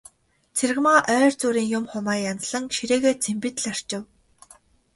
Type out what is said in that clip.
Цэрэгмаа ойр зуурын юм, хумаа янзлан ширээгээ цэмбийтэл арчив.